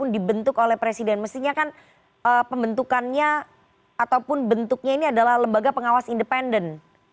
dibentuk oleh presiden mestinya kan pembentukannya ataupun bentuknya ini adalah lembaga pengawas independen